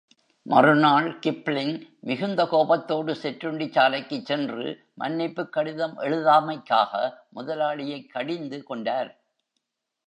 மறுநாள் கிப்ளிங், மிகுந்த கோபத்தோடு சிற்றுண்டிச் சாலைக்குச் சென்று, மன்னிப்புக் கடிதம் எழுதாமைக்காக முதலாளியைக் கடிந்து கொண்டார்.